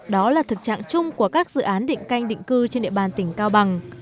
đó là thực trạng chung của các dự án định canh định cư trên địa bàn tỉnh cao bằng